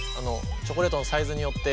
チョコレートのサイズによって。